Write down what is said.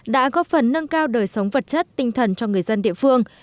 đã góp phần nâng cao đời sống vật chất tinh thần cho người dân địa phương